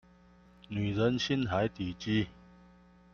女人心海底雞